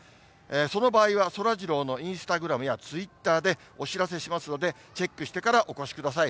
その場合は、そらジローのインスタグラムやツイッターでお知らせしますので、チェックしてからお越しください。